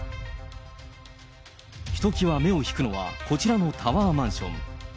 ひときわ目を引くのは、こちらのタワーマンション。